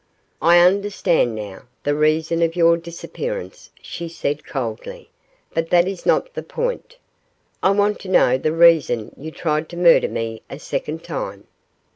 'I understand, now, the reason of your disappearance,' she said, coldly; 'but that is not the point. I want to know the reason you tried to murder me a second time.